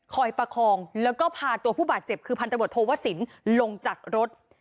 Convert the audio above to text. ประคองแล้วก็พาตัวผู้บาดเจ็บคือพันธบทโทวสินลงจากรถ